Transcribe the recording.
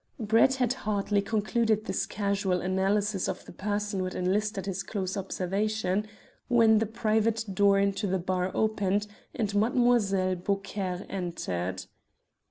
Brett had hardly concluded this casual analysis of the person who had enlisted his close observation, when the private door into the bar opened and Mlle. Beaucaire entered.